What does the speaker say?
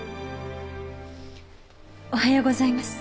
おはようございます。